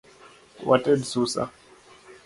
Wated susa